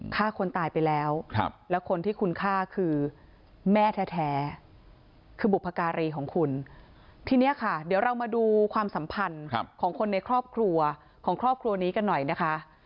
ฆ่าคนตายไปแล้วแล้วคนที่คุณฆ่าคือแม่แท้คือบุพการีของคุณทีนี้ค่ะเดี๋ยวเรามาดูความสัมพันธ์ของคนในครอบครัวของครอบครัวนี้กันหน่อยนะคะ